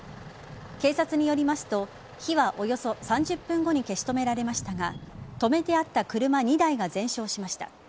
警察によりますと火はおよそ３０分後に消し止められましたが止めてあった車２台が全焼しました。